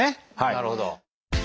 なるほど。